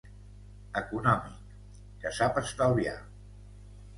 Econòmic: Que sap estalviar.